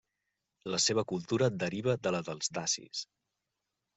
La seva cultura deriva de la dels dacis.